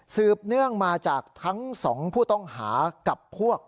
เนื่องมาจากทั้งสองผู้ต้องหากับพวก